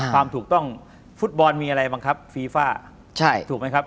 ความถูกต้องฟุตบอลมีอะไรบ้างครับฟีฟ่าถูกไหมครับ